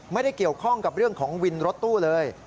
ไม่ได้เกี่ยวข้องกับเรื่องของวินรถตู้เลย